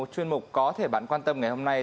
chuyên mục có thể bạn quan tâm ngày hôm nay